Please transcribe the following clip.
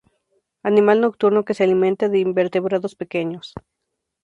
Animal nocturno que se alimenta de invertebrados pequeños.